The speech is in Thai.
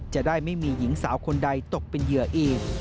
จะได้ไม่มีหญิงสาวคนใดตกเป็นเหยื่ออีก